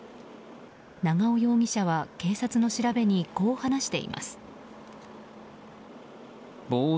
長尾疑者は警察の調べにこう話しています。